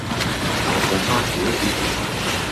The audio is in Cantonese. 豆腐花少甜